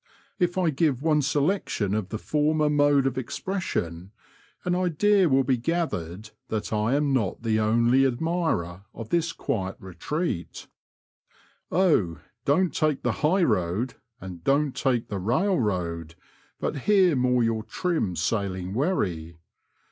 If I give one selection of the former mode of expression, an idea will be gathered that I am not the only admirer of this quiet retreat —*♦ Oh I don*t take the high road, And don't take the rail road, But here moor your trim sailing wherry.